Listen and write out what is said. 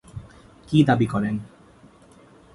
কি দাবি করেন?